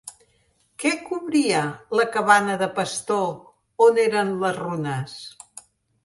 Què cobria la cabana de pastor on eren les runes?